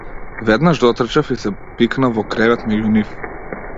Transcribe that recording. Веднаш дотрчав и се пикнав во кревет меѓу нив.